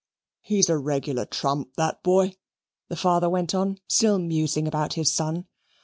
"He's a regular trump, that boy," the father went on, still musing about his son.